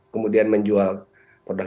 kemudian menjual produk